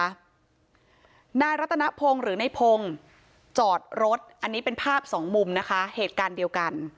นายรัตนพงศ์หรือในพงศ์จอดรถอันนี้เป็นภาพสองมุมนะคะเหตุการณ์เดียวกัน